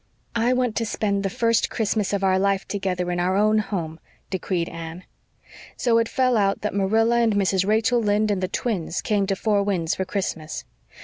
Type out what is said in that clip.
"I want to spend the first Christmas of our life together in our own home," decreed Anne. So it fell out that Marilla and Mrs. Rachel Lynde and the twins came to Four Winds for Christmas.